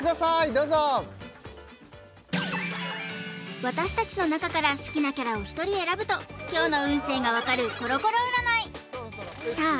どうぞ私たちの中から好きなキャラを１人選ぶと今日の運勢がわかるコロコロ占いさあ